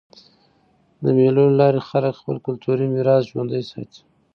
د مېلو له لاري خلک خپل کلتوري میراث ژوندى ساتي.